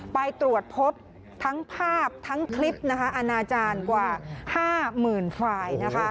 ไปตรวจพบทั้งภาพทั้งคลิปอาณาจารย์กว่า๕๐๐๐ไฟล์